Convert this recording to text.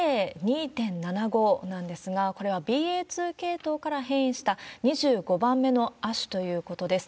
ＢＡ．２．７５なんですが、これはＢＡ．２系統から変異した２５番目の亜種ということです。